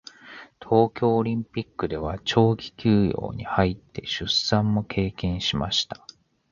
東京オリンピックでは長期休養に入って出産も経験しました。